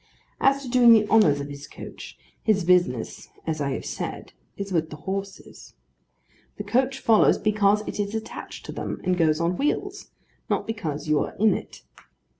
As to doing the honours of his coach, his business, as I have said, is with the horses. The coach follows because it is attached to them and goes on wheels: not because you are in it.